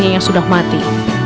yang sudah mati